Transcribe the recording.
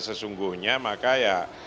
sesungguhnya maka ya